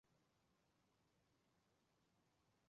该岛到波利瓦尔半岛也收到了自愿撤离令。